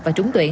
và trúng tuyển